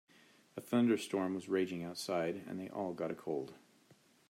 A thunderstorm was raging outside and they all got a cold.